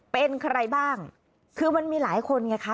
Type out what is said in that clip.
เป็นใครบ้างคือมันมีหลายคนไงคะ